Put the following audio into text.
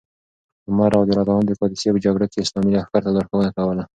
عمر رض د قادسیې په جګړه کې اسلامي لښکر ته لارښوونه کوله.